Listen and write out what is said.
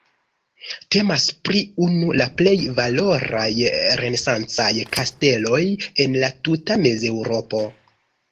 Temas pri unu la plej valoraj renesancaj kasteloj en la tuta Mezeŭropo.